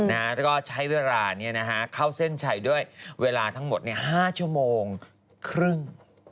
แล้วก็ใช้เวลาเข้าเส้นชัยด้วยเวลาทั้งหมด๕ชั่วโมงครึ่ง